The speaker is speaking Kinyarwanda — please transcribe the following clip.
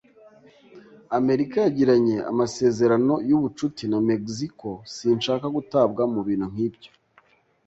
Amerika yagiranye amasezerano yubucuti na Mexico. Sinshaka gutabwa mubintu nkibyo.